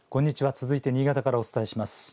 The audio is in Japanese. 続いて、新潟からお伝えします。